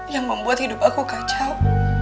yang membuat hidup aku kacau